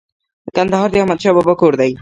کندهار د احمد شاه بابا کور دی